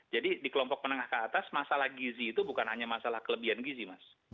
jadi di kelompok menengah ke atas masalah gizi itu bukan hanya masalah kelebihan gizi mas